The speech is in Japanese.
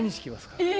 え！